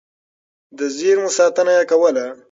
د زېرمو ساتنه يې کوله.